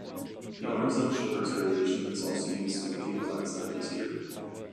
The 'arms on shoulders' variation is also used to make the incline sit-up easier.